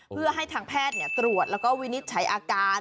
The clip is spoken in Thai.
เพื่อให้ทางแพทย์ตรวจแล้วก็วินิจฉัยอาการ